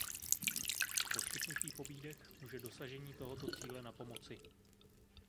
Poskytnutí pobídek může dosažení tohoto cíle napomoci.